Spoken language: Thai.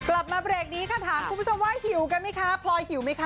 กลับมาเบรกนี้ค่ะถามคุณผู้ชมว่าหิวกันไหมคะพลอยหิวไหมคะ